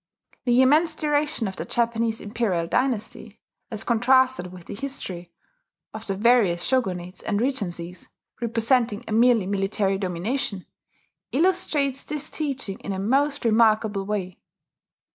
The immense duration of the Japanese imperial dynasty, as contrasted with the history of the various shogunates and regencies representing a merely military domination, illustrates this teaching in a most remarkable way.